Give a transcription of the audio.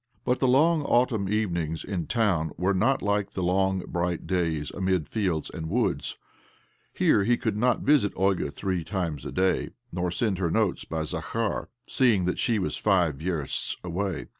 But the long autumn evenings in town were not like the long, bright days amid fields and woods. ■Here he could not visit Olga three times a day, nor send her notes by Zakhar, seeing that she was five versts away.